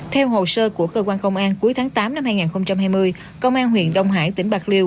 theo hồ sơ của cơ quan công an cuối tháng tám năm hai nghìn hai mươi công an huyện đông hải tỉnh bạc liêu